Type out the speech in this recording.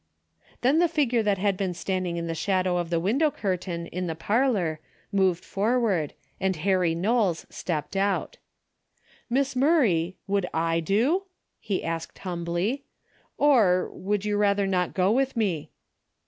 " Then the figure that had been standing in the shadow of the window curtain in the par lor moved forward and Harry Knowles stepped out. A DAILY BATE.'^ 267 "Miss Murray, would / do ?" he asked humbly, " or — would you rather not go with me